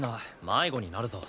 迷子になるぞ。